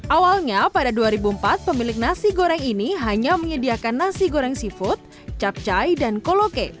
awalnya pada dua ribu empat pemilik nasi goreng ini hanya menyediakan nasi goreng seafood capcai dan koloke